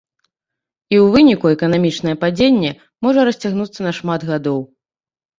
І ў выніку эканамічнае падзенне можа расцягнуцца на шмат гадоў.